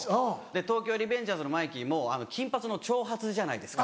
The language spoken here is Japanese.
『東京リベンジャーズ』のマイキーも金髪の長髪じゃないですか。